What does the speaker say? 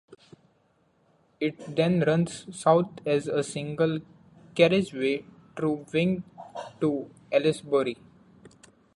It then runs south as a single carriageway through Wing to Aylesbury.